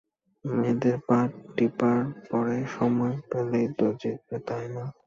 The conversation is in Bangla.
মেয়েদের পা টিপার পরে সময় পেলেই তো জিতবে, তাই না।